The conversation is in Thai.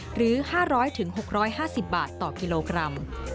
หรือ๕๐๐๖๕๐บาทต่อกิโลกรัม